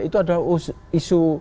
itu adalah isu